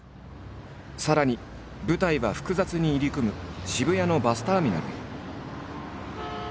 さらに舞台は複雑に入り組む渋谷のバスターミナルへ。